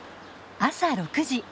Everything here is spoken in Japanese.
朝６時。